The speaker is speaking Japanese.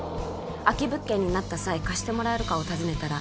空き物件になった際貸してもらえるかを尋ねたら